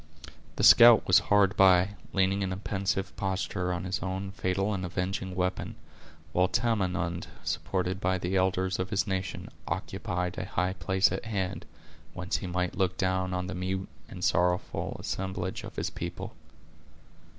The scout was hard by, leaning in a pensive posture on his own fatal and avenging weapon; while Tamenund, supported by the elders of his nation, occupied a high place at hand, whence he might look down on the mute and sorrowful assemblage of his people.